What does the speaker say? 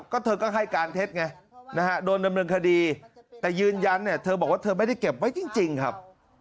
ก็เธอก็ให้การเท็จไงนะฮะโดนดำเนินคดีแต่ยืนยันเนี่ยเธอบอกว่าเธอไม่ได้เก็บไว้จริงครับ